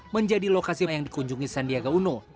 menjadi lokasi yang dikunjungi sandiaga uno